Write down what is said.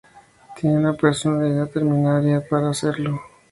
Tiene una personalidad temeraria para hacerlo.